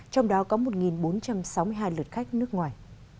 trong đó có một bốn trăm sáu mươi hai lượt khách nước ngoài